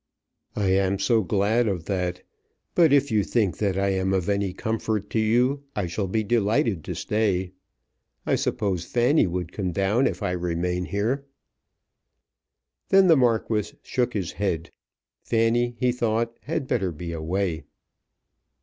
"I am so glad of that; but if you think that I am of any comfort to you I shall be delighted to stay. I suppose Fanny would come down if I remain here." Then the Marquis shook his head. Fanny, he thought, had better be away.